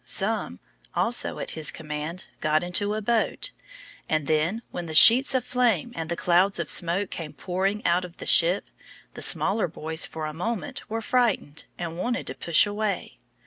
Some, also at his command, got into a boat; and then, when the sheets of flame and the clouds of smoke came pouring out of the ship, the smaller boys for a moment were frightened, and wanted to push away.